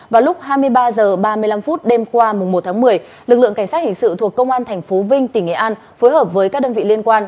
vào lúc hai mươi ba h ba mươi năm đêm qua một tháng một mươi lực lượng cảnh sát hình sự thuộc công an tp vinh tỉnh nghệ an phối hợp với các đơn vị liên quan